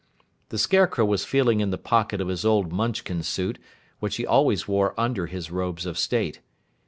The Scarecrow was feeling in the pocket of his old Munchkin suit which he always wore under his robes of state.